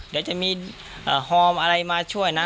เดี๋ยวจะมีฮอมอะไรมาช่วยนะ